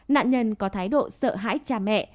nạn nhân có thái độ sợ hãi cha mẹ